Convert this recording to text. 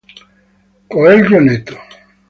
Coelho Neto